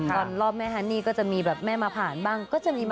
ก่อนต้องเมือแม่ฮันนี่ก็จะมีแบบแม่มาผ่านบ้าง